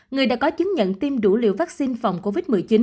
người đã có chứng nhận tiêm đủ liều vaccine phòng covid một mươi chín